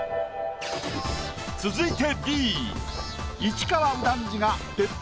続いて。